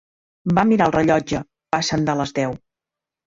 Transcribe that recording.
Va mirar el rellotge, "passen de les deu".